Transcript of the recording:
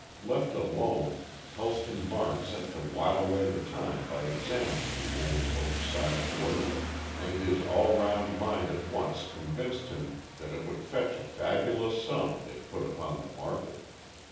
Left alone, Helston Varne set to while away the time by examining the old oak sideboard, and his all round mind at once convinced him that it would fetch a fabulous sum if put upon the market.